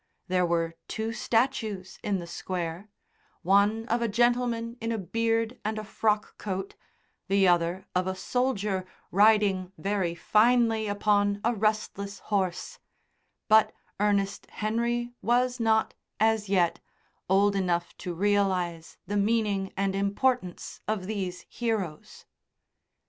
There were two statues in the Square one of a gentleman in a beard and a frock coat, the other of a soldier riding very finely upon a restless horse; but Ernest Henry was not, as yet, old enough to realise the meaning and importance of these heroes.